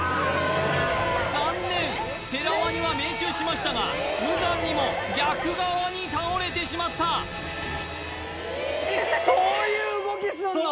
残念ペラ輪には命中しましたが無残にも逆側に倒れてしまったそういう動きすんの？